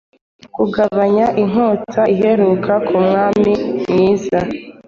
kugabanya inkota iheruka nkumwami mwiza